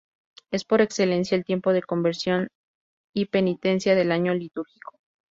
Es, por excelencia, el tiempo de conversión y penitencia del año litúrgico.